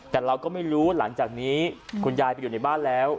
แต่เราก็ไม่รู้หลังจากนี้คุณยายไปอยู่ในบ้านแล้ว